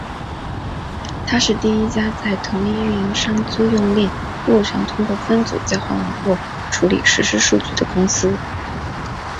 她是第一家在同一运营商租用链路上通过分组交换网络处理实时数据的公司。